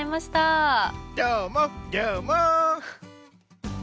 どーも、どーも！